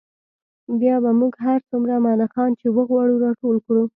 بیا به موږ هر څومره ملخان چې وغواړو راټول کړو